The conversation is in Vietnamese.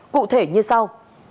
cụ thể như sau